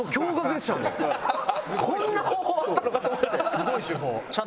すごい手法。